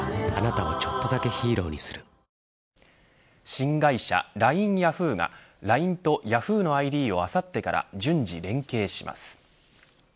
新会社ＬＩＮＥヤフーがＬＩＮＥとヤフーのＩＤをあさってから順次連携します。